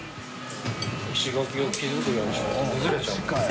石垣を築くようにしてやらんと崩れちゃうから。